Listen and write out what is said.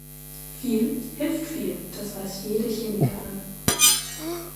Viel hilft viel, das weiß jede Chemikerin.